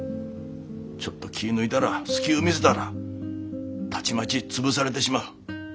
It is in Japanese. ちょっと気ぃ抜いたら隙ゅう見せたらたちまち潰されてしまう。